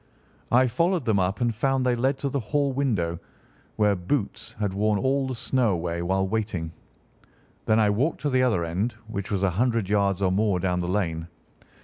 I followed them up and found they led to the hall window, where Boots had worn all the snow away while waiting. Then I walked to the other end, which was a hundred yards or more down the lane.